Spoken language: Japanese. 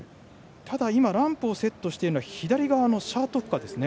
ただ今ランプをセットしているのは左側の謝徳樺ですね。